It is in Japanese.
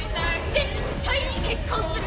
絶対に結婚する。